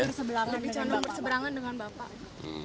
kerap berseberangan dengan bapak